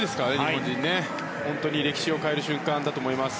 本当に歴史を変える瞬間だと思います。